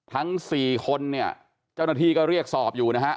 ทั้งสี่คนเนี่ยเจ้าหน้าที่ก็เรียกสอบอยู่นะฮะ